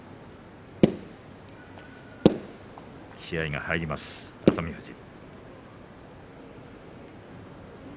気合いが入ります、熱海富士。